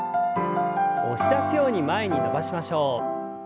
押し出すように前に伸ばしましょう。